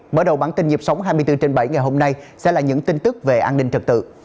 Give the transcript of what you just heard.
mở đầu bản tin nhịp sống hai mươi bốn trên bảy ngày hôm nay sẽ là những tin tức về an ninh trật tự